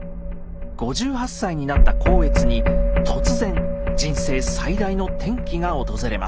５８歳になった光悦に突然人生最大の転機が訪れます。